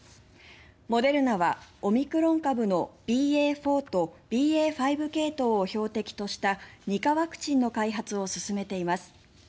モデルナはオミクロン株のＢＡ．４とＢＡ．５系統を標的とした２価ワクチンの開発を進めています。